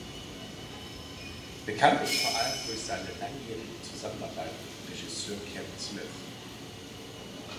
Bekannt ist vor allem durch seine langjährige Zusammenarbeit mit Regisseur Kevin Smith.